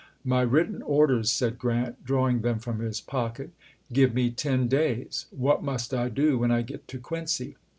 " My written orders," said Grant, chap. xvi. drawing them from his pocket, " give me ten days. What must I do when I get to Quincy